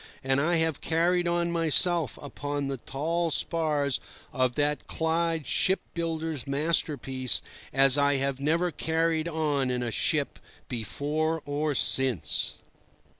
And I have carried on myself upon the tall spars of that Clyde shipbuilder's masterpiece as I have never carried on in a ship before or since.